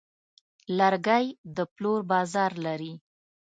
لرګی د پلور بازار لري.